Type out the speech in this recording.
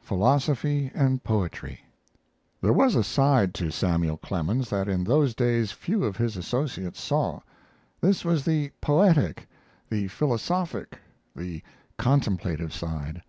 PHILOSOPHY AND POETRY There was a side to Samuel Clemens that in those days few of his associates saw. This was the poetic, the philosophic, the contemplative side.